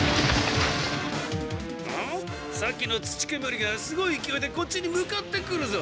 さっきの土けむりがすごいいきおいでこっちに向かってくるぞ。